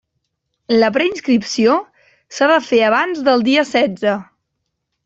La preinscripció s'ha de fer abans del dia setze.